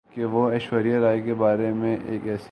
کہ وہ ایشوریا رائے کے بارے میں ایک ایسی